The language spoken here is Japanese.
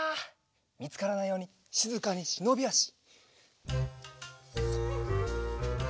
みつからないようにしずかにしのびあし。